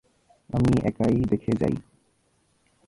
আমি একাই দেখে যাই।